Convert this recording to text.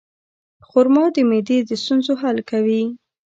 خرما د معدې د ستونزو حل کوي.